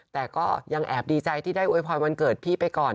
แต่ก็ยังแอบดีใจที่ได้อวยพรวันเกิดพี่ไปก่อน